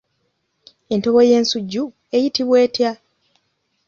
Entobo y'ensujju eyitibwa etya?